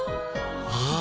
ああ